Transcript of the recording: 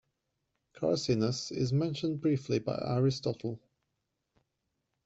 Carcinus is mentioned briefly by Aristotle.